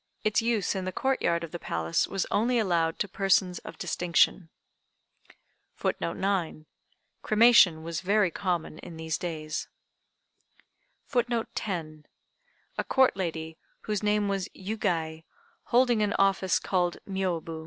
Its use in the Court yard of the Palace was only allowed to persons of distinction.] [Footnote 9: Cremation was very common in these days.] [Footnote 10: A Court lady, whose name was Yugei, holding an office called "Miôbu."